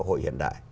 hội hiện đại